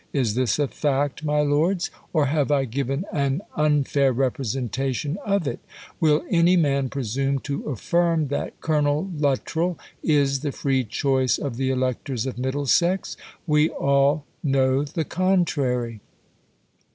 Is this a fact, my lords ? or have I given an unfair representation of it ? Will any man presume to affirm that Colonel Luttiell is the free choice of the electors of Middlesex ? We all know the contrary.